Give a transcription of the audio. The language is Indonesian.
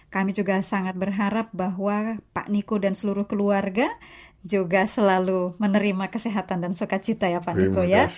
kami juga sangat berharap bahwa pak niko dan seluruh keluarga juga selalu menerima kesehatan dan sukacita ya pak niko ya